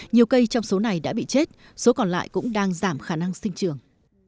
nhiều cây trong số này đã bị chết số còn lại cũng đang giảm khả năng sinh trường